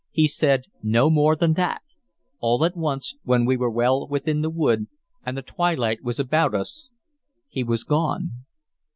He said no more than that; all at once, when we were well within the wood and the twilight was about us, he was gone."